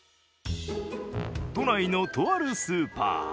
都内の、とあるスーパー。